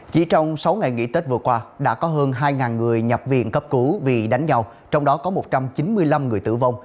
chỉ trong sáu ngày nghỉ tết vừa qua đã có hơn hai người nhập viện cấp cứu vì đánh nhau trong đó có một trăm chín mươi năm người tử vong